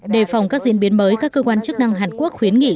đề phòng các diễn biến mới các cơ quan chức năng hàn quốc khuyến nghị